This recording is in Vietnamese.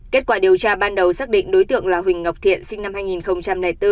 kết quả điều tra ban đầu xác định đối tượng là huỳnh ngọc thiện sinh năm hai nghìn bốn